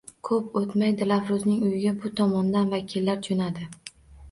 Ko`p o`tmay Dilafruzning uyiga bu tomondan vakillar jo`nadi